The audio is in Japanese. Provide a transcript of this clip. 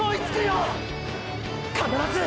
必ず！！